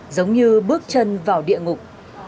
giống như bước chân vào địa ngục